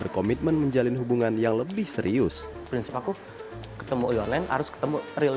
komitmen menjalin hubungan yang lebih serius prinsip aku ketemu orang lain harus ketemu real